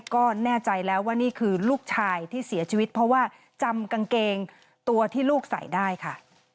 ก็แน่ใจแล้วว่านี่คือลูกชายที่เสียชีวิตเพราะว่าจำกางเกงตัวที่ลูกใส่ได้ค่ะ